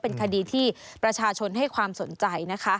เป็นคดีที่ประชาชนให้ความสนใจนะคะ